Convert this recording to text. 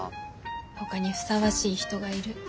ほかにふさわしい人がいる。